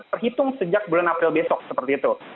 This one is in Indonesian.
terhitung sejak bulan april besok seperti itu